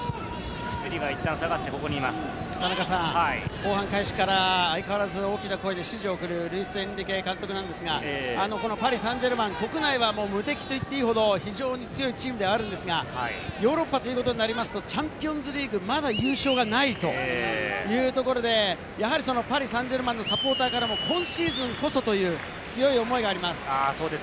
後半開始から相変わらず大きな声で指示を送るルイス・エンリケ監督なんですが、パリ・サンジェルマン、国内は無敵と言っていいほど、非常に強いチームではあるんですが、ヨーロッパということになりますとチャンピオンズリーグ、まだ優勝がないというところで、やはりパリ・サンジェルマンのサポーターからも今シーズンこそという強い思いがあります。